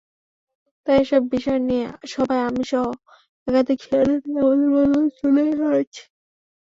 তাই এসব বিষয় নিয়ে সভায় আমিসহ একাধিক শেয়ারধারী আমাদের মতামত তুলে ধরেছি।